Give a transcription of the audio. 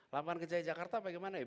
lapangan kerja di jakarta bagaimana ya